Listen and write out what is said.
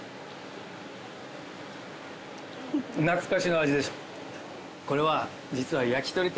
懐かしの味です。